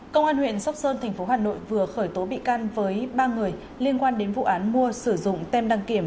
công an huyện sóc sơn tp hà nội vừa khởi tố bị can với ba người liên quan đến vụ án mua sử dụng tem đăng kiểm